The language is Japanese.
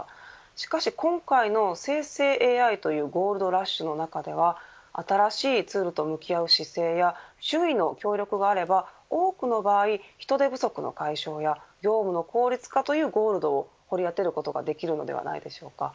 しかし今回の生成ＡＩというゴールドラッシュの中では新しいツールと向き合う姿勢や周囲の協力があれば多くの場合、人手不足の解消や業務の効率化というゴールドを掘り当てることができるのではないでしょうか。